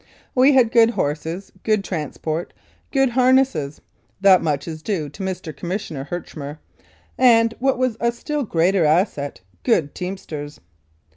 We had good horses, good transport, good harness (that much is due to Mr. Commissioner Herchmer) and, what was a still greater asset, good teamsters.